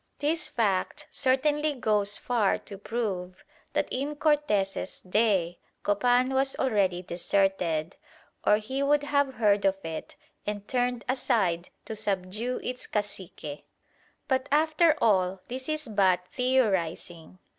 This fact certainly goes far to prove that in Cortes's day Copan was already deserted, or he would have heard of it and turned aside to subdue its cacique. But after all, this is but theorising.